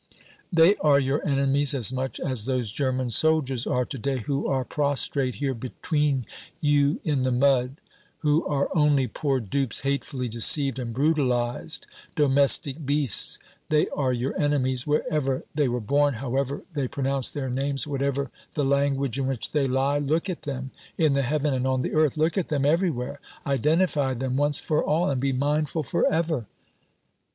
They are your enemies as much as those German soldiers are to day who are prostrate here between you in the mud, who are only poor dupes hatefully deceived and brutalized, domestic beasts. They are your enemies, wherever they were born, however they pronounce their names, whatever the language in which they lie. Look at them, in the heaven and on the earth. Look at them, everywhere! Identify them once for all, and be mindful for ever!